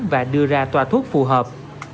và đưa ra tòa thuốc phù hợp